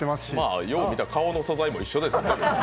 あ、よう見たら顔の素材も一緒ですね。